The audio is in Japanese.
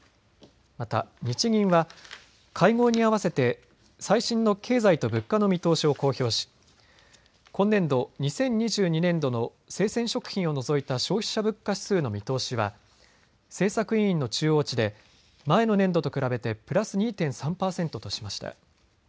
また日銀は会合に合わせて最新の経済と物価の見通しを公表し、今年度・２０２２年度の生鮮食品を除いた消費者物価指数の見通しは、政策委員の中央値で前の年度と比べてプラス２．３％としました。